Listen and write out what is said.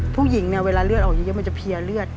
ผู้หญิงเนี่ยเวลาเลือดออกเยอะมันจะเพียเลือด